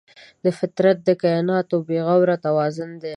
فطرت د کایناتو بېغوره توازن دی.